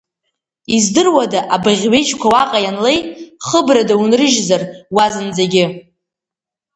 Издыруада абыӷь ҩежьқәа уаҟа ианлеи, Хыбрада унрыжьзар уа зынӡагьы?!